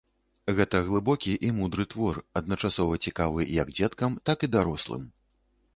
Гэта глыбокі і мудры твор, адначасова цікавы як дзеткам, так і для дарослым.